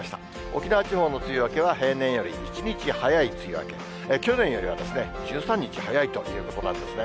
沖縄地方の梅雨明けは、平年より１日早い梅雨明け、去年よりは１３日早いということなんですね。